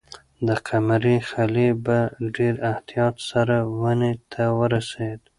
د قمرۍ خلی په ډېر احتیاط سره ونې ته ورسېد.